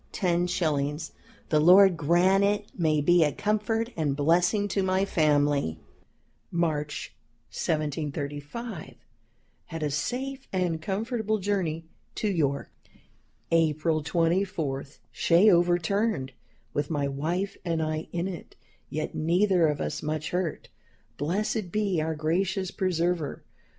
_ The Lord grant it may be a comfort and blessing to my family. "March, 1735. Had a safe and comfortable journey to York. "April 24. Shay overturned, with my wife and I in it, yet neither of us much hurt. Blessed be our gracious Preserver!